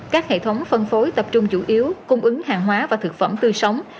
các hệ thống phân phối tập trung chủ yếu cung ứng hàng hóa và thực phẩm tươi sống